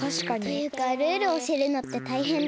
というかルールおしえるのってたいへんだね。